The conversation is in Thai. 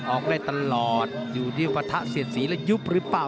ออกได้ตลอดอยู่ที่ปะทะเสียดสีแล้วยุบหรือเปล่า